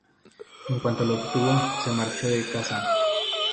En cuanto lo obtuvo, se marchó de casa.